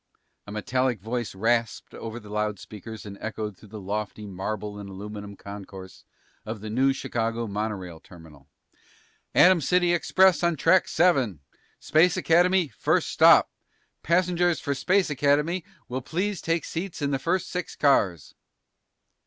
A metallic voice rasped over the loud speakers and echoed through the lofty marble and aluminum concourse of the New Chicago Monorail Terminal. "Atom City express on Track Seven! Space Academy first stop! Passengers for Space Academy will please take seats in the first six cars!"